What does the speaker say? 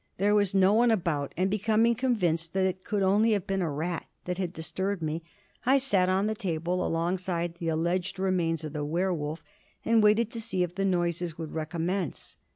There was no one about, and becoming convinced that it could only have been a rat that had disturbed me, I sat on the table alongside the alleged remains of the werwolf, and waited to see if the noises would recommence.